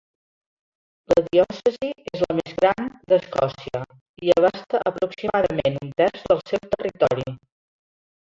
La diòcesi és la més gran d'Escòcia, i abasta aproximadament un terç del seu territori.